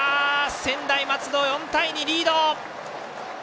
専大松戸、４対２リード。